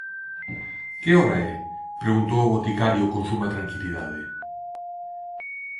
Que hora é? -preguntou o boticario con suma tranquilidade.